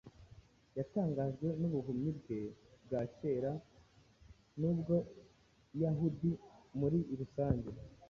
yatangajwe n’ubuhumyi bwe bwa kera n’ubw’Abayahudi muri rusange.